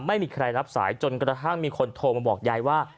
ไม่มีใครรับสายจนกระทั่งมีคนโทรมาบอกยายว่า